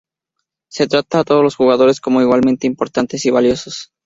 Se trata a todos los jugadores como igualmente importantes y valiosos.